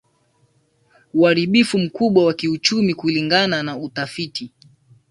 uharibifu mkubwa wa kiuchumi kulingana na utafiti